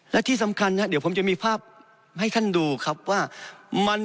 และที่สำคัญเดี๋ยวผมจะมีภาพให้ท่านดูครับว่า